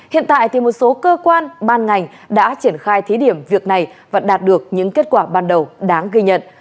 hiện tại một số cơ quan ban ngành đã triển khai thí điểm việc này và đạt được những kết quả ban đầu đáng ghi nhận